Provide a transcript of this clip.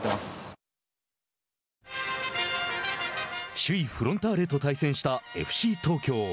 首位フロンターレと対戦したＦＣ東京。